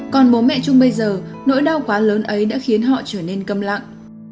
còn bố mẹ trung bây giờ nỗi đau quá lớn ấy đã khiến họ trở nên câm lặng